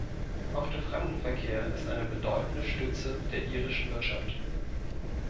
Auch der Fremdenverkehr ist eine bedeutende Stütze der irischen Wirtschaft.